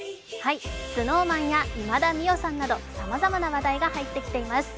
ＳｎｏｗＭａｎや今田美桜さんなど様々な話題が入ってきています。